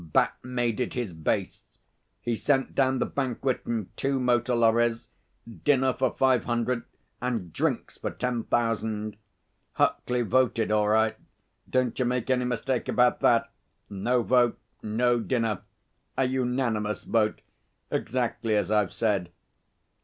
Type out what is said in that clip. Bat made it his base. He sent down the banquet in two motor lorries dinner for five hundred and drinks for ten thousand. Huckley voted all right. Don't you make any mistake about that. No vote, no dinner. A unanimous vote exactly as I've said.